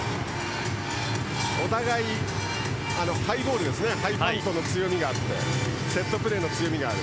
お互い、ハイパントの強みがあってセットプレーの強みがある。